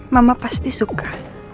mama pasti suka